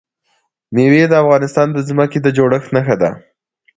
مېوې د افغانستان د ځمکې د جوړښت نښه ده.